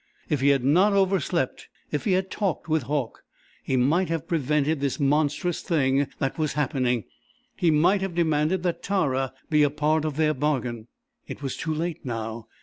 If he had not overslept, if he had talked with Hauck, he might have prevented this monstrous thing that was happening he might have demanded that Tara be a part of their bargain. It was too late now.